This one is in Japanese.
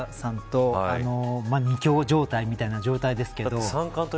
渡辺明さんと２強状態みたいな状態ですけど。